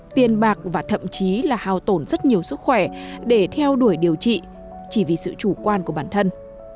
tiền bạc và thậm chí là hào tổn rất nhiều sức khỏe để theo đuổi điều trị chỉ vì sự chủ quan của bản thân